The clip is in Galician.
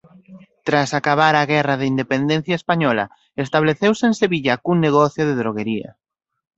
Tras acabar a guerra da independencia española estableceuse en Sevilla cun negocio de droguería.